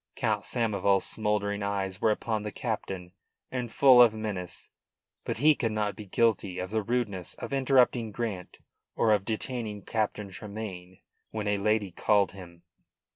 Count Samoval's smouldering eyes were upon the captain, and full of menace. But he could not be guilty of the rudeness of interrupting Grant or of detaining Captain Tremayne when a lady called him.